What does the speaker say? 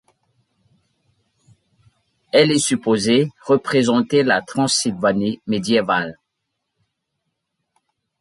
Elle est supposée représenter la Transylvanie médiévale.